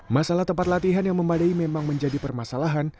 masalah tempat latihan yang memadai memang menjadi permasalahan